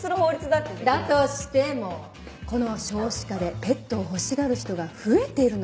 だとしてもこの少子化でペットを欲しがる人が増えてるの。